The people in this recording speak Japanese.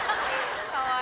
かわいい。